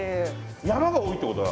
山が多いってことだ。